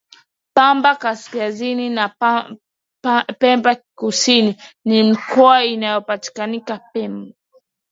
Pemba kaskazini na pemba kusini ni mikoa inayopatikana pemba